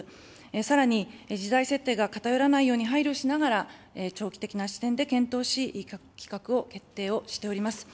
さらに、時代設定が偏らないように配慮しながら、長期的な視点で検討し、企画を決定をしております。